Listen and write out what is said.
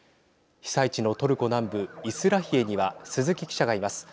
被災地のトルコ南部イスラヒエには鈴木記者がいます。